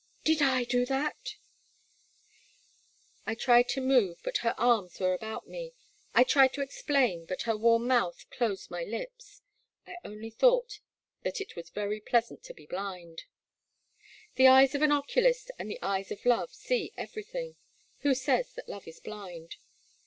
Did I do that? " 192 The Black Water. I tried to move, but her arms were about me, — I tried to explain, but her warm mouth closed my lips; I only thought that it was very pleasant to be blind. The eyes of an oculist and the eyes of love see everything. Who says that love is blind